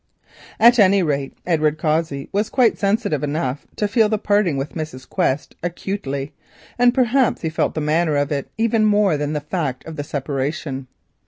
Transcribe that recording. At any rate, Edward Cossey was quite sensitive enough to acutely feel parting with Mrs. Quest, and perhaps he felt the manner of it even more than the fact of the separation.